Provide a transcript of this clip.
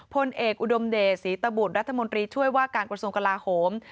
พลเอกอุดมเดชศรีตบุตรรัฐมนตรีช่วยว่าการกระทรวงกลาโหม